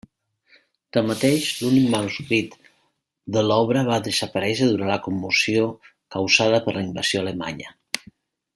Tanmateix, l'únic manuscrit de l'obra va desaparèixer durant la commoció causada per la invasió alemanya.